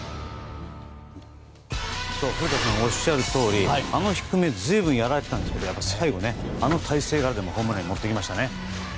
古田さんがおっしゃるとおりあの低めに随分やられていたんですけど、最後あの体勢からでもホームランに持っていきました。